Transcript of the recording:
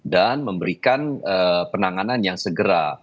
memberikan penanganan yang segera